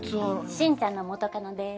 進ちゃんの元カノです。